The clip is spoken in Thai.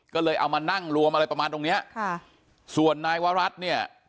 ก็เลยเอามานั่งรวมอะไรประมาณตรงเนี้ยค่ะส่วนนายวรัฐเนี่ย